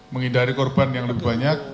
menghindari korban yang lebih banyak